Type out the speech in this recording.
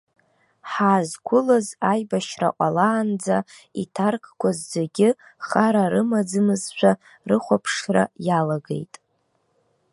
Ҳаазқәылаз аибашьра ҟалаанӡа иҭаркқәаз зегьы хара рымаӡамызшәа рыхәаԥшра иалагеит.